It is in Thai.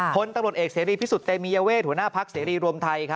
คนตำรวจเอกเสรีพิสุธเตมีเยาเว่ถุญาภักร์เสรีรวมไทย